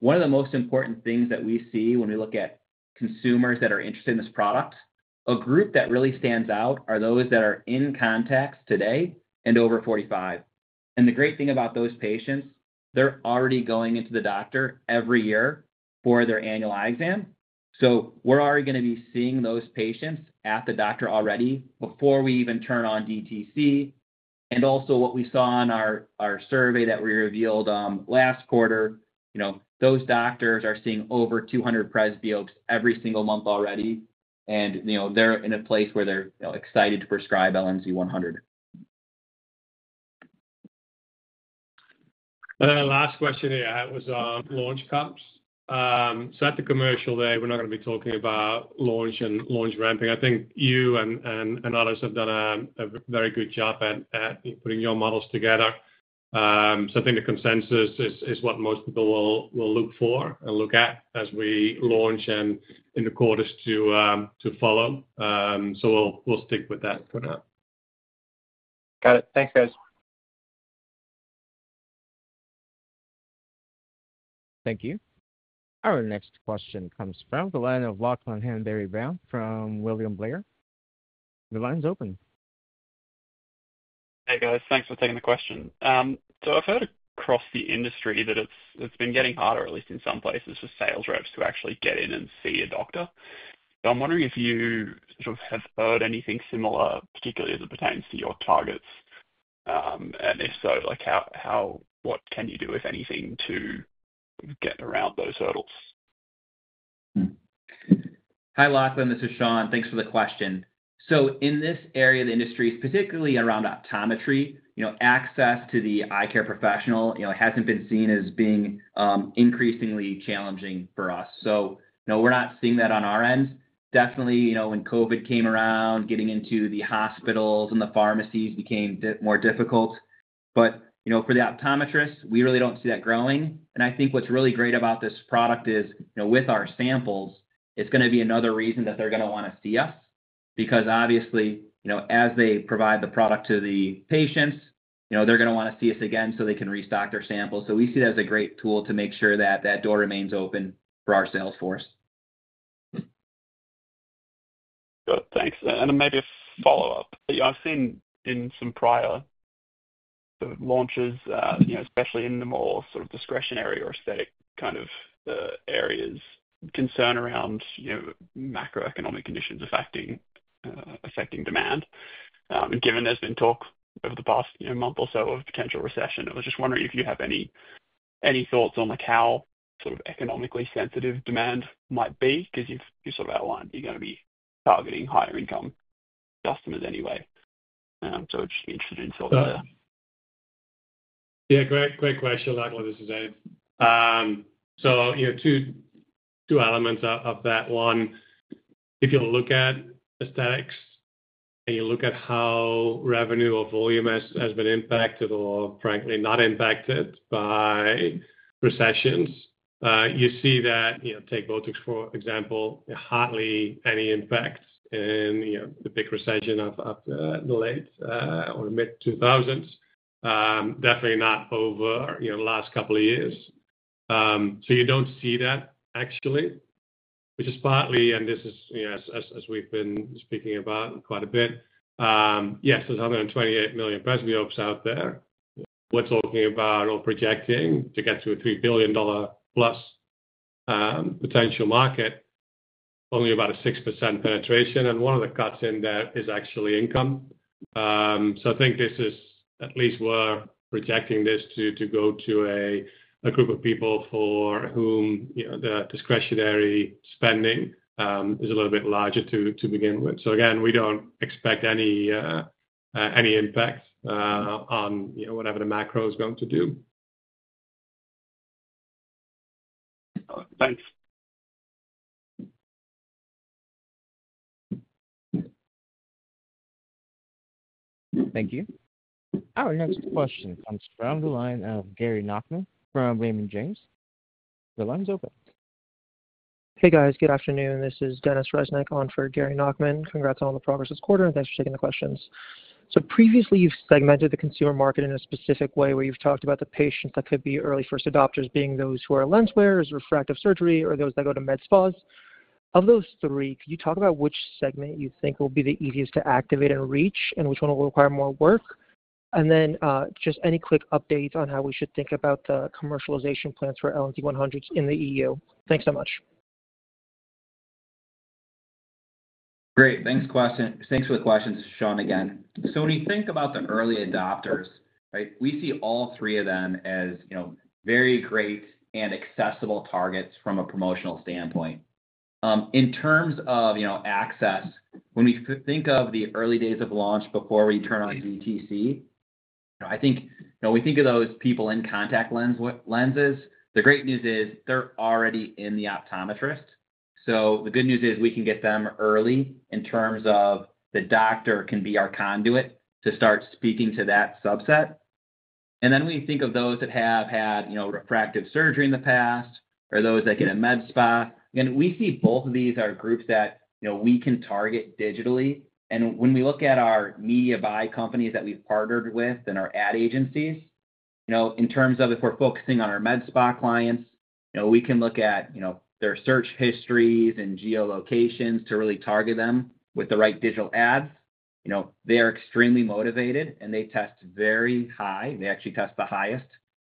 Speaker 4: one of the most important things that we see when we look at consumers that are interested in this product, a group that really stands out are those that are in contacts today and over 45. The great thing about those patients, they're already going into the doctor every year for their annual eye exam. We're already going to be seeing those patients at the doctor already before we even turn on DTC. What we saw on our survey that we revealed last quarter, those doctors are seeing over 200 presbyopes every single month already, and they're in a place where they're excited to prescribe LNZ100.
Speaker 3: Last question I had was launch comps. At the commercial day, we're not going to be talking about launch and launch ramping. I think you and others have done a very good job at putting your models together. I think the consensus is what most people will look for and look at as we launch and in the quarters to follow. We'll stick with that for now.
Speaker 9: Got it. Thanks, guys.
Speaker 1: Thank you. Our next question comes from the line of Lachlan Hanbury-Brown from William Blair. The line's open.
Speaker 10: Hey, guys. Thanks for taking the question. I've heard across the industry that it's been getting harder, at least in some places, for sales reps to actually get in and see a doctor. I'm wondering if you sort of have heard anything similar, particularly as it pertains to your targets. If so, what can you do, if anything, to get around those hurdles?
Speaker 4: Hi, Lachlan. This is Shawn. Thanks for the question. In this area of the industry, particularly around optometry, access to the eye care professional has not been seen as being increasingly challenging for us. We are not seeing that on our end. Definitely, when COVID came around, getting into the hospitals and the pharmacies became more difficult. For the optometrist, we really do not see that growing. I think what is really great about this product is with our samples, it is going to be another reason that they are going to want to see us because obviously, as they provide the product to the patients, they are going to want to see us again so they can restock their samples. We see that as a great tool to make sure that door remains open for our sales force.
Speaker 10: Good. Thanks. Maybe a follow-up. I've seen in some prior launches, especially in the more sort of discretionary or aesthetic kind of areas, concern around macroeconomic conditions affecting demand. Given there's been talk over the past month or so of potential recession, I was just wondering if you have any thoughts on how sort of economically sensitive demand might be because you sort of outlined you're going to be targeting higher-income customers anyway. I'd just be interested in sort of.
Speaker 3: Yeah. Great question, Lachlan. This is Eef. Two elements of that. One, if you'll look at aesthetics and you look at how revenue or volume has been impacted or frankly not impacted by recessions, you see that, take Botox for example, hardly any impact in the big recession of the late or mid-2000s, definitely not over the last couple of years. You don't see that actually, which is partly, and this is as we've been speaking about quite a bit, yes, there's 128 million presbyopes out there. We're talking about or projecting to get to a $3 billion-plus potential market, only about a 6% penetration. One of the cuts in there is actually income. I think this is at least we're projecting this to go to a group of people for whom the discretionary spending is a little bit larger to begin with. Again, we don't expect any impact on whatever the macro is going to do. Thanks.
Speaker 1: Thank you. Our next question comes from the line of Gary Nachman from Raymond James. The line's open.
Speaker 11: Hey, guys. Good afternoon. This is Dennis Reznick on for Gary Nachman. Congrats on the progress this quarter, and thanks for taking the questions. Previously, you've segmented the consumer market in a specific way where you've talked about the patients that could be early first adopters being those who are lens wearers, refractive surgery, or those that go to med spas. Of those three, could you talk about which segment you think will be the easiest to activate and reach, and which one will require more work? Any quick updates on how we should think about the commercialization plans for LNZ100 in the EU? Thanks so much.
Speaker 4: Great. Thanks for the questions, Shawn, again. When you think about the early adopters, we see all three of them as very great and accessible targets from a promotional standpoint. In terms of access, when we think of the early days of launch before we turn on DTC, I think when we think of those people in contact lenses, the great news is they're already in the optometrist. The good news is we can get them early in terms of the doctor can be our conduit to start speaking to that subset. When you think of those that have had refractive surgery in the past or those that get a med spa, again, we see both of these are groups that we can target digitally. When we look at our media buy companies that we've partnered with and our ad agencies, in terms of if we're focusing on our med spa clients, we can look at their search histories and geolocations to really target them with the right digital ads. They are extremely motivated, and they test very high. They actually test the highest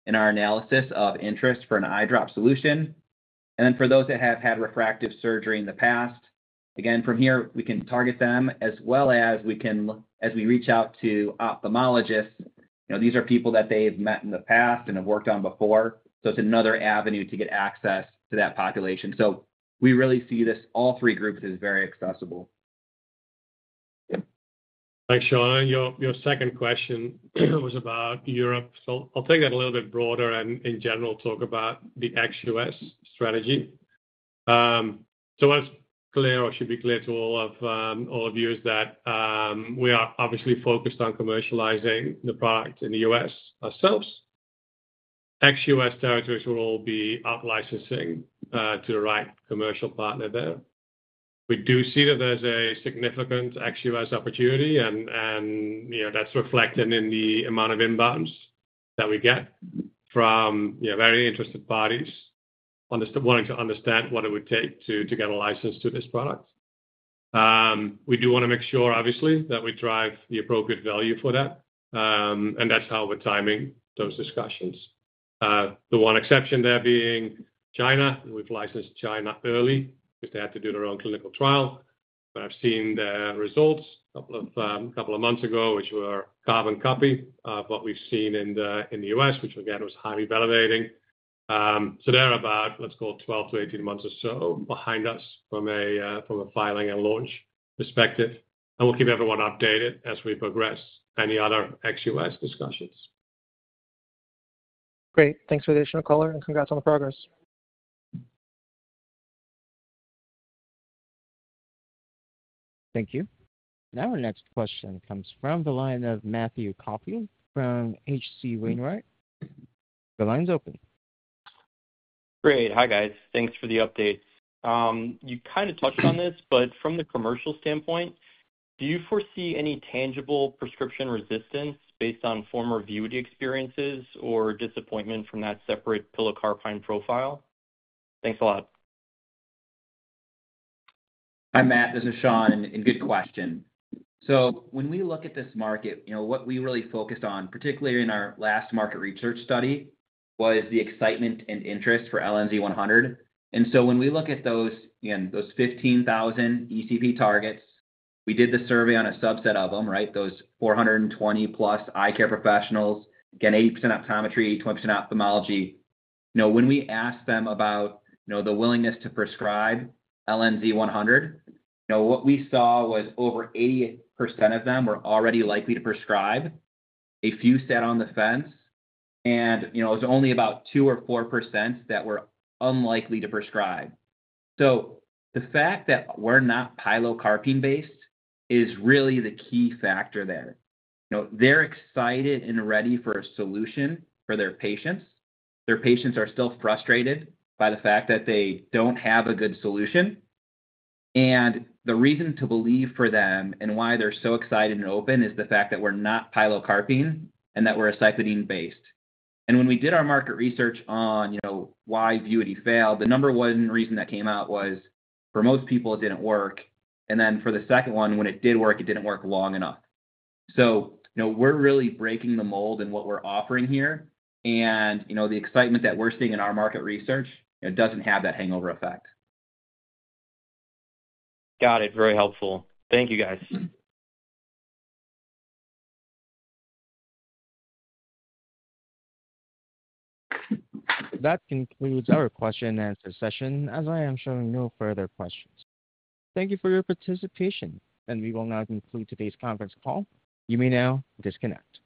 Speaker 4: in our analysis of interest for an eye drop solution. For those that have had refractive surgery in the past, again, from here, we can target them as well as we can as we reach out to ophthalmologists. These are people that they've met in the past and have worked on before. It is another avenue to get access to that population. We really see all three groups as very accessible.
Speaker 3: Thanks, Shawn. Your second question was about Europe. I'll take that a little bit broader and in general talk about the XUS strategy. It is clear or should be clear to all of you that we are obviously focused on commercializing the product in the US ourselves. XUS territories will all be up licensing to the right commercial partner there. We do see that there is a significant XUS opportunity, and that is reflected in the amount of inbounds that we get from very interested parties wanting to understand what it would take to get a license to this product. We do want to make sure, obviously, that we drive the appropriate value for that. That is how we are timing those discussions. The one exception there being China. We have licensed China early because they had to do their own clinical trial. I've seen the results a couple of months ago, which were carbon copy of what we've seen in the U.S., which again was highly validating. They're about, let's call it, 12-18 months or so behind us from a filing and launch perspective. We'll keep everyone updated as we progress any other XUS discussions.
Speaker 11: Great. Thanks for the additional color, and congrats on the progress.
Speaker 1: Thank you. Now our next question comes from the line of Matthew Caufield from H.C. Wainwright. The line's open.
Speaker 12: Great. Hi, guys. Thanks for the updates. You kind of touched on this, but from the commercial standpoint, do you foresee any tangible prescription resistance based on former Vuity experiences or disappointment from that separate pilocarpine profile? Thanks a lot.
Speaker 4: Hi, Matt. This is Shawn. Good question. When we look at this market, what we really focused on, particularly in our last market research study, was the excitement and interest for LNZ100. When we look at those 15,000 ECP targets, we did the survey on a subset of them, right? Those 420-plus eye care professionals, again, 80% optometry, 20% ophthalmology. When we asked them about the willingness to prescribe LNZ100, what we saw was over 80% of them were already likely to prescribe. A few sat on the fence, and it was only about 2% or 4% that were unlikely to prescribe. The fact that we're not pilocarpine-based is really the key factor there. They're excited and ready for a solution for their patients. Their patients are still frustrated by the fact that they don't have a good solution. The reason to believe for them and why they're so excited and open is the fact that we're not pilocarpine and that we're aceclidine-based. When we did our market research on why Vuity failed, the number one reason that came out was for most people, it didn't work. For the second one, when it did work, it didn't work long enough. We're really breaking the mold in what we're offering here. The excitement that we're seeing in our market research doesn't have that hangover effect.
Speaker 12: Got it. Very helpful. Thank you, guys.
Speaker 1: That concludes our question-and-answer session. As I am showing no further questions, thank you for your participation, and we will now conclude today's conference call. You may now disconnect.